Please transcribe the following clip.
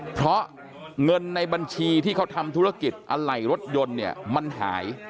เพราะเงินในบัญชีที่เขาทำธุรกิจอะไหล่รถยนต์เนี่ยมันหาย